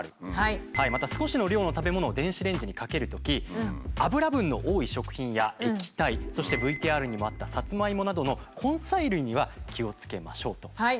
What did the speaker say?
また少しの量の食べ物を電子レンジにかけるときあぶら分の多い食品や液体そしてＶＴＲにもあったサツマイモなどの根菜類には気をつけましょうと。